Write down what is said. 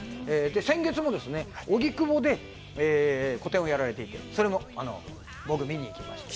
先月も荻窪で個展をやられていて、それ僕、見に行きました。